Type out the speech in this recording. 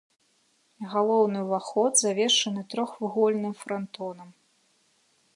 Галоўны ўваход завершаны трохвугольным франтонам.